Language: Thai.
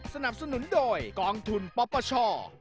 สนับสนุนโดยกองทุนป๊อปป้าช่อ